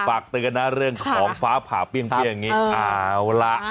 ฝากเตือนนะเรื่องของฟ้าผ่าเปรี้ยงอย่างนี้เอาล่ะ